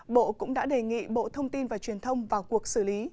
bộ cũng đã đề nghị bộ thông tin và truyền thông vào cuộc xử lý